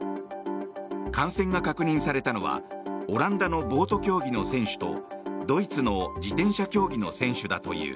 感染が確認されたのはオランダのボート競技の選手とドイツの自転車競技の選手だという。